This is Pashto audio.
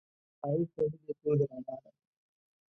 ښایست د هیلې تود رڼا ده